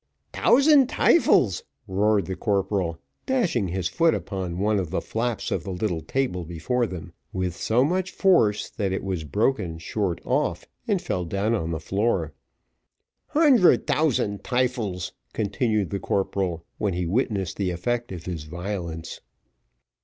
"Tousand tyfels!" roared the corporal, dashing his foot upon one of the flaps of the little table before them with so much force, that it was broken short off and fell down on the floor. "Hundred tousand tyfels!" continued the corporal, when he witnessed the effects of his violence.